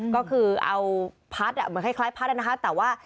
ก็คือเอาพัดเหมือนคล้ายพัดนะคะแต่ว่า